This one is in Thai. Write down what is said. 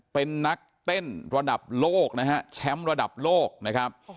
เป็นนักเต้นระดับโลกนะฮะแชมป์ระดับโลกนะครับ